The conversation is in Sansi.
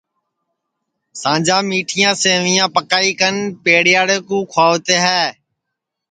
سانجا میٹھیاں سیویاں پکائی کن پیڑیاڑے کُو کُھؤتے ہیں